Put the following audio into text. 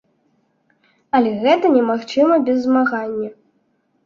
Але гэта немагчыма без змагання.